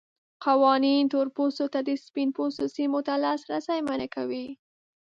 قوانین تور پوستو ته د سپین پوستو سیمو ته لاسرسی منع کوي.